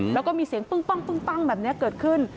แล้วก็มีเสียงปึ้งแบบนี้เกิดขึ้น